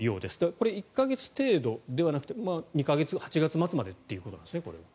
これ、１か月程度ではなくて８月末までということなんですね。